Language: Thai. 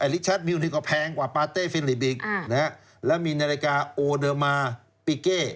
ลิชาร์ดมิวนี่ก็แพงกว่าปาเต้ฟินลิฟต์อีกและมีนาฬิกาโอเดอร์มาร์ปิเก้